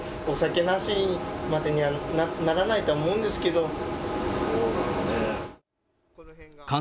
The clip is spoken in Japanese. お酒なしまでにはならないとは思うんですけど。